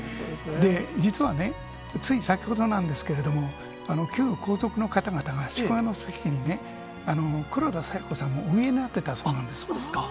実はね、つい先ほどなんですけれども、旧皇族の方々が祝賀の席に黒田清子さんもお見えになってたそうなんです。